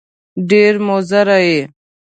ډېر مضر یې !